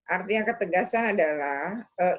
artinya ketegasan adalah